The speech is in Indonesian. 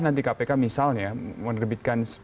nanti kpk misalnya menerbitkan